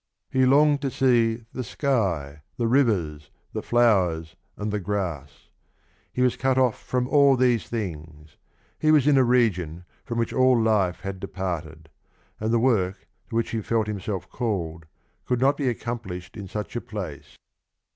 He longed to see the sky, the rivers, the flowers and the grass; he was cut off from all these things; he was in a region from which all life had departed, and the work to which he felt himself called could not be accomplished in such a place.